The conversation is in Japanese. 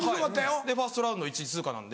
ファーストラウンド１位通過なんで。